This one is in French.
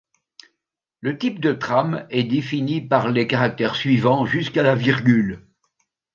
Le type de trame est défini par les caractères suivants jusqu'à la virgule.